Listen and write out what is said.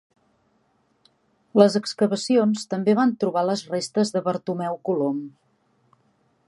Les excavacions també van trobar les restes de Bartomeu Colom.